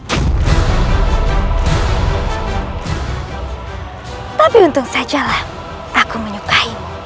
hai tapi untung sajalah aku menyukain japanese